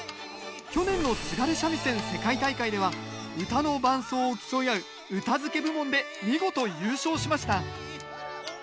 去年の津軽三味線世界大会では唄の伴奏を競い合う唄付部門で見事優勝しました